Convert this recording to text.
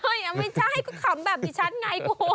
ไม่ใช่ให้คุณขำแบบฉันไงคุณ